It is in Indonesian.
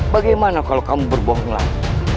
bagaimana kalau kamu berbohong lagi